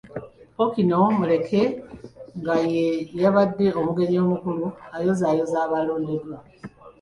Ppookino Muleke nga ye yabadde omugenyi omukulu ayozaayozezza abaalondeddwa.